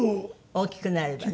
大きくなればね。